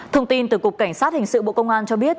thông tin từ cục cảnh sát hình sự bộ công an cho biết